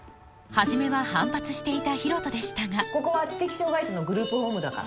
初めは反発していた広翔でしたがここは知的障がい者のグループホームだから。